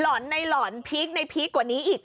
อนในหล่อนพีคในพีคกว่านี้อีก